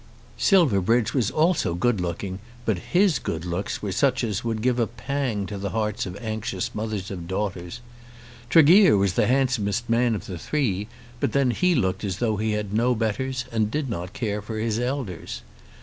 Silverbridge was also good looking; but his good looks were such as would give a pang to the hearts of anxious mothers of daughters. Tregear was the handsomest man of the three; but then he looked as though he had no betters and did not care for his elders.